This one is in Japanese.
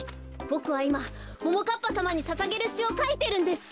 ボクはいまももかっぱさまにささげるしをかいてるんです。